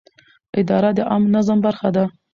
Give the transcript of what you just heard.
اداره د عامه نظم برخه ده.